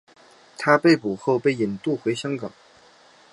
他被捕后被引渡回香港。